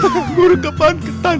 borong kepan ketan